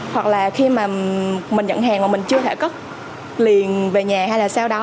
hoặc là khi mà mình nhận hàng mà mình chưa thể cất liền về nhà hay là sau đó